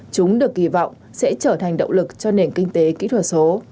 chúng được kỳ vọng sẽ trở thành động lực cho nền kinh tế kỹ thuật số